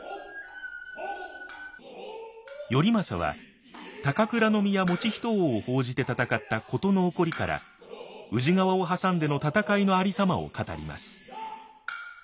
頼政は高倉宮以仁王を奉じて戦った事の起こりから宇治川を挟んでの戦いのありさまを語ります。